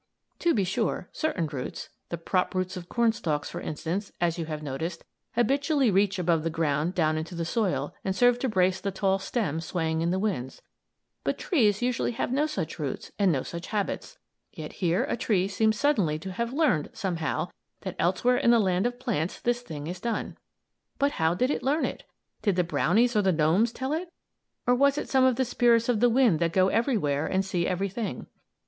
To be sure, certain roots the prop roots of corn stalks, for instance, as you have noticed habitually reach from above ground down into the soil, and serve to brace the tall stem swaying in the winds, but trees usually have no such roots and no such habits. Yet, here a tree seems suddenly to have learned, somehow, that elsewhere in the land of plants this thing is done. But how did it learn it? Did the brownies or the gnomes tell it; or was it some of the spirits of the wind that go everywhere and see everything?